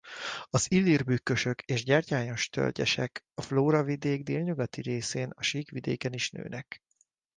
Az illír bükkösök és gyertyános-tölgyesek a flóravidék délnyugati részén a sík vidéken is nőnek.